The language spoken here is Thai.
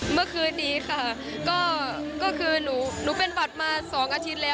เมื่อคืนนี้ค่ะก็คือหนูเป็นบัตรมา๒อาทิตย์แล้ว